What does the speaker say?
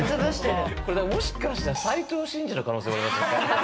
もしかしたら斉藤慎二の可能性ありますよね。